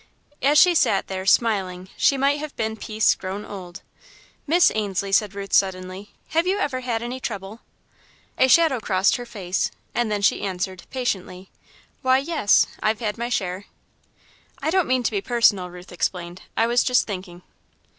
As she sat there, smiling, she might have been Peace grown old. "Miss Ainslie," said Ruth, suddenly, "have you ever had any trouble?" A shadow crossed her face, and then she answered, patiently, "Why, yes I've had my share." "I don't mean to be personal," Ruth explained, "I was just thinking."